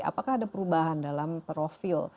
apakah ada perubahan dalam profil